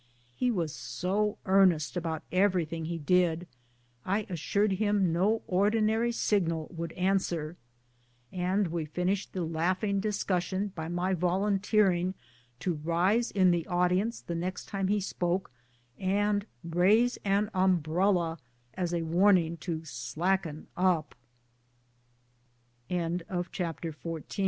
He was so earnest about everything he did, I assured him no ordinary signal would answer, and we finished the laughing discussion by my volunteering to rise in the audience the next time he spoke, and raise an um brella as a warning to sla